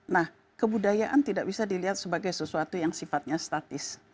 nah kebudayaan tidak bisa dilihat sebagai sesuatu yang sifatnya statis